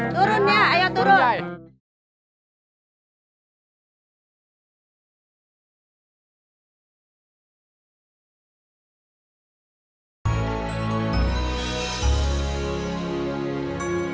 turun ya ayo turun